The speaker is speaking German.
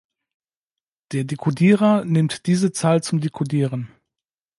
Der Dekodierer nimmt diese Zahl zum Dekodieren.